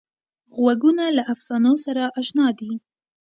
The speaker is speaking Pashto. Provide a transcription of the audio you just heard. غوږونه له افسانو سره اشنا دي